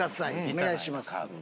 お願いします。